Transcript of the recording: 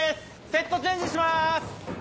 セットチェンジします！